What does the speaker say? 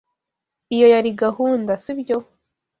Iyo yari gahunda, sibyo?